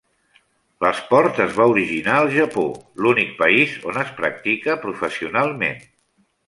L'esport es va originar al Japó, l'únic país on es practica professionalment.